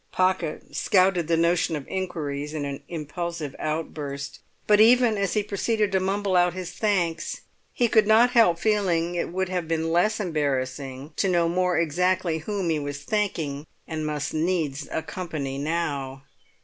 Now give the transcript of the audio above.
Pocket scouted the notion of inquiries in an impulsive outburst; but even as he proceeded to mumble out his thanks he could not help feeling it would have been less embarrassing to know more exactly whom he was thanking and must needs accompany now.